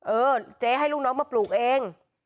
เออเจ๊ให้ลูกน้องมาปลูกเอง